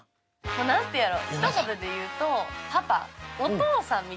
何ていうんやろ。